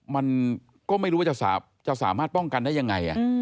มันก็ไม่รู้ว่าจะสามารถป้องกันได้ยังไง